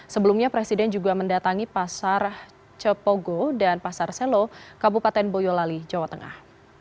sebelumnya presiden juga mendatangi pasar cepogo dan pasar selo kabupaten boyolali jawa tengah